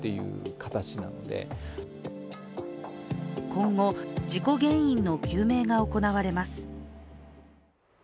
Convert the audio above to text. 今後、事故原因の究明が行われます。